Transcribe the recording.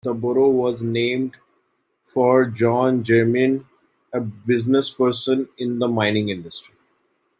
The borough was named for John Jermyn, a businessperson in the mining industry.